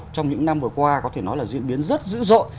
trong những năm vừa qua có thể nói là diễn biến rất dữ dội